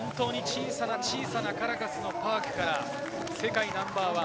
小さなカラカスのパークから世界ナンバーワン。